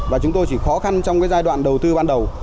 và chúng tôi chỉ khó khăn trong cái giai đoạn đầu tư ban đầu